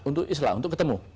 untuk islah untuk ketemu